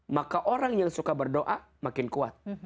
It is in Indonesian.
maka orang yang suka berdoa makin kuat